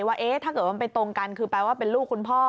ว่าถ้าเกิดว่ามันไปตรงกันคือแปลว่าเป็นลูกคุณพ่อ